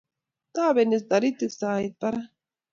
Tobeni Taritik soet barak